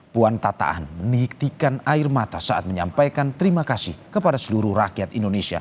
puan tataan menitikan air mata saat menyampaikan terima kasih kepada seluruh rakyat indonesia